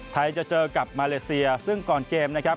จะเจอกับมาเลเซียซึ่งก่อนเกมนะครับ